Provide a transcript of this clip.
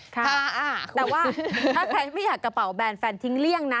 แต่ว่าถ้าใครไม่อยากกระเป๋าแบนแฟนทิ้งเลี่ยงนะ